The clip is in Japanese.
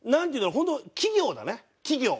本当企業だね企業。